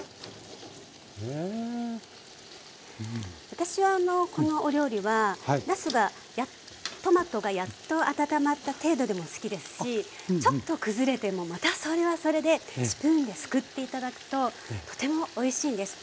私はこのお料理はトマトがやっと温まった程度でも好きですしちょっと崩れてもまたそれはそれでスプーンですくって頂くととてもおいしいんです。